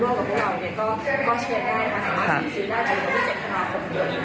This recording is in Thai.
ภาพก็เป็นหลายแนวนะแล้วแต่คลิกเตอร์ของแต่ละคน